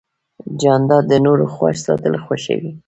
جانداد د نورو خوښ ساتل خوښوي.